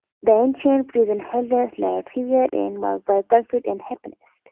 The ancient sources present Hadrian's last few years as marked by conflict and unhappiness.